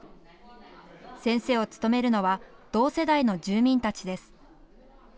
先生を務めるのは同世代の住民たちです。